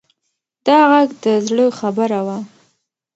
دا غږ د زړه خبره وه.